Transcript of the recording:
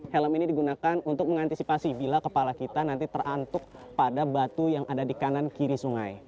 helm ini digunakan untuk mengantisipasi bila kepala kita nanti terantuk pada batu yang ada di kanan kiri sungai